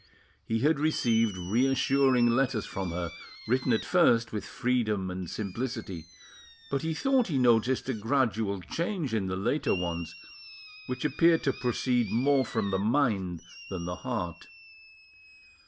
He had received reassuring letters from her, written at first with freedom and simplicity; but he thought he noticed a gradual change in the later ones, which appeared to proceed more from the mind than the heart.